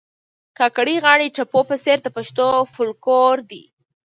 کاکړۍ غاړي ټپو په څېر د پښتو فولکور دي